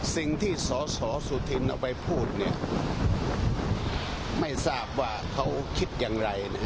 สิ่งที่สสสุธินเอาไปพูดไม่ทราบว่าเขาคิดอย่างไร